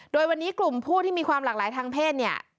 โดยวันนี้กลุ่มผู้ที่มีความหลากหลายทางเพศเนี่ย